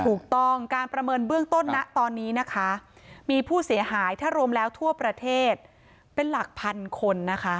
ถูกต้องการประเมินเบื้องต้นนะตอนนี้นะคะมีผู้เสียหายถ้ารวมแล้วทั่วประเทศเป็นหลักพันคนนะคะ